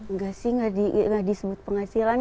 engga sih gak disebut penghasilan